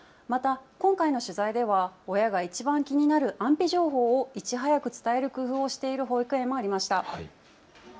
また、今回の取材では親がいちばん気になる安否情報をいち早く伝える工夫をしている保育園もありました。